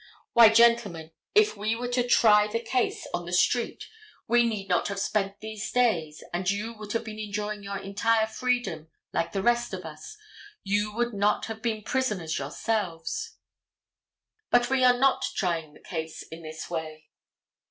Why, gentlemen, if we were to try the case on the street we need not have spent these days and you would have been enjoying your entire freedom like the rest of us, you would not have been prisoners yourselves. But we are not trying the case in this way.